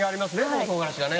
この唐辛子がね。